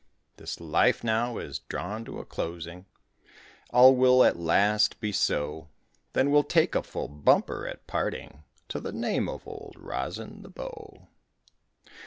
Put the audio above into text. This life now is drawn to a closing, All will at last be so, Then we'll take a full bumper at parting To the name of Old Rosin the Bow.